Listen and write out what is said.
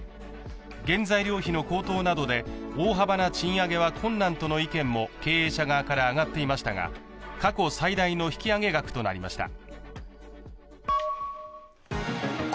原材料費の高騰などで大幅な賃上げは困難との意見も経営者側から上がっていましたが過去最大の引き上げ額となりました。